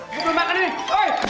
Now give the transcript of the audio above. gua belum makan ini